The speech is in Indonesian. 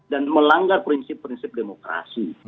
dan melanggar prinsip prinsip demokrasi